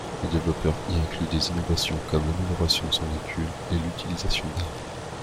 Le développeur y inclut des innovations comme l'amélioration de son véhicule et l'utilisation d'armes.